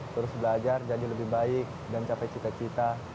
terus belajar jadi lebih baik dan capai cita cita